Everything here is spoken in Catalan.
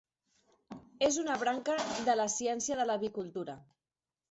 És una branca de la ciència de l'avicultura.